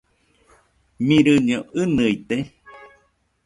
Mirɨño ɨnɨite?